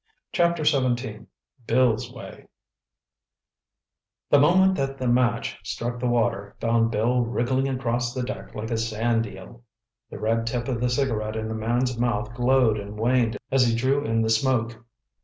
Chapter XVII BILL'S WAY The moment that the match struck the water found Bill wriggling across the deck like a sand eel. The red tip of the cigarette in the man's mouth glowed and waned as he drew in the smoke.